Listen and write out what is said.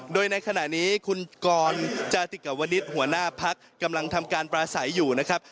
โดยในขณะนี้คุณกรจาติกวนิษฐ์หัวหน้าพักกำลังทำการปราศัยอยู่นะครับ